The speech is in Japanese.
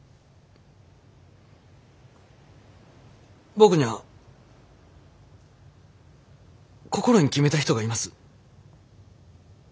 僕には心に決めた人がいます。